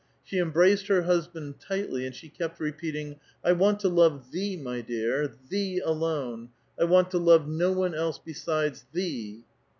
She embraced her husband tightly, and she kept repeating, *' 1 want to love thee, my deai*,* thee alone ; I want to love DO one else besides thee.